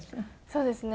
そうですね